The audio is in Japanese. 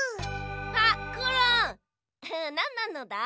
あっコロンなんなのだ？